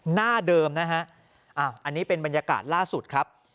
หน้าเดิมนะฮะอันนี้เป็นบรรยากาศล่าสุดครับ